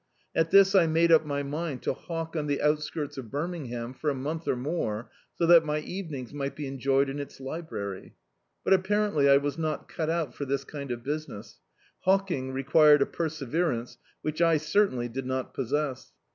At this I made up my mind to hawk <xt the outskirts of Binning^iam for a month or more, so that my evenings mi^t be enjoyed in its library. But, aj^arently, I was not cut out for this kind of business. Hawking required a perse verance which I certainly did not possess.